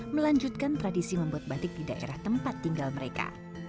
melanjutkan tradisi membuat batik di daerah tempat tinggal mereka